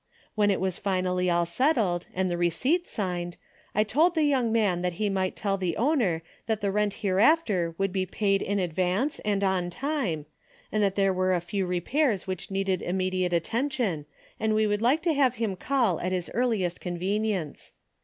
When it was finally all settled and the receipt signed, I told the young man that he might tell the owner that the rent hereafter would be paid in advance and on time, and that there were a few repairs which needed immediate attention and we would like to have him call at his earliest convenience.